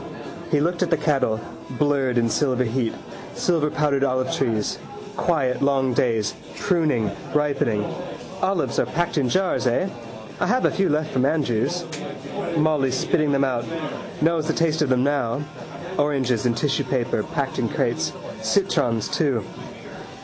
He looked at the cattle, blurred in silver heat. Silverpowdered olivetrees. Quiet long days: pruning, ripening. Olives are packed in jars, eh? I have a few left from Andrews. Molly spitting them out. Knows the taste of them now. Oranges in tissue paper packed in crates. Citrons too.